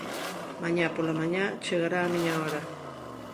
Mañá pola mañá chegará a miña hora.